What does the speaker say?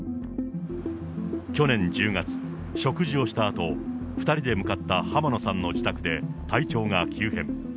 去年１０月、食事をしたあと、２人で向かった浜野さんの自宅で体調が急変。